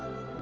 đặc biệt là